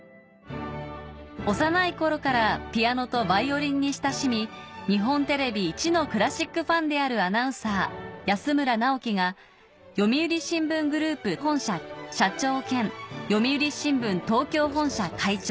幼い頃からピアノとバイオリンに親しみ日本テレビいちのクラシックファンであるアナウンサー安村直樹が読売新聞グループ本社社長兼読売新聞東京本社会長